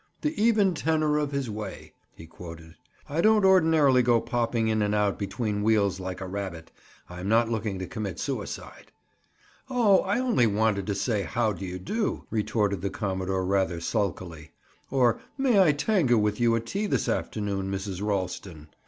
"The 'even tenor of his way,'" he quoted. "I don't ordinarily go popping in and out between wheels like a rabbit. I'm not looking to commit suicide." "Oh, I only wanted to say: 'How do you do,'" retorted the commodore rather sulkily. "Or 'May I tango with you at tea this afternoon, Mrs. Ralston?